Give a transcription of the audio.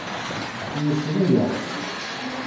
Mmeslayeɣ.